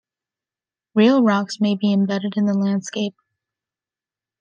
Real rocks may be embedded in the landscape.